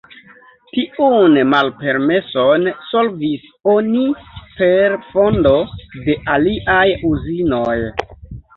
Tiun malpermeson solvis oni per fondo de aliaj uzinoj.